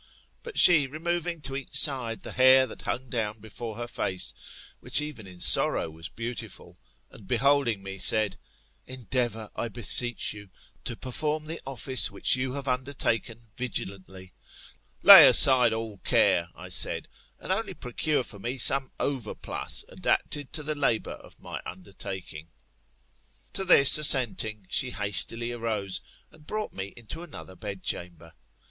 But she, removing to each side the hair that hung down before her face, which even in sorrow was beautiful, and beholding me, said, Endeavour, I beseech you, to perform the office which you have undertaken vigilantly. Lay aside all care, I said, and* only procure for me some 60tDfcV A$$, 01^ APULEIUS. — feOOR tt. 89 overplus a^dapked to the labour of my undertaking. To this assenting, she hastily arose, and brought me into another bed chamber.